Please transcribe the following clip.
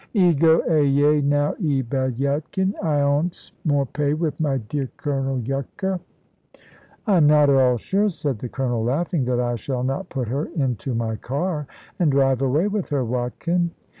"'E go ayay now, 'e bad Yatkin! I 'ants more pay with my dear Colonel Yucca." "I am not at all sure," said the Colonel, laughing, "that I shall not put her into my car, and drive away with her, Watkin."